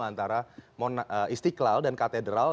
antara istiqlal dan katedral